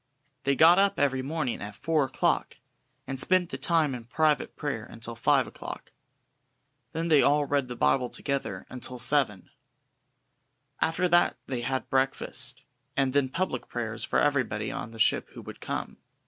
They got up every morning at four o'clock, and spent the time in private prayer until five o'clock. Then they all read the Bible together until seven. After that they had breakfast, and then public prayers for everybody on the ship who would come.